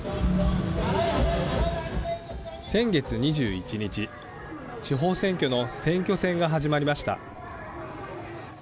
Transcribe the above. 先月２１日地方選挙の選挙戦が始まりました。